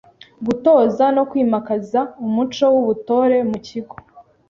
Gutoza no kwimakaza umuco w’ubutore mu kigo;